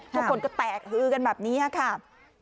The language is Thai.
ทุกคนก็แตกฮือกันแบบนี้ค่ะ